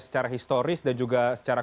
secara historis dan juga secara